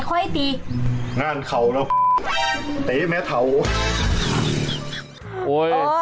โอ้ยงั้นเข้าแล้ว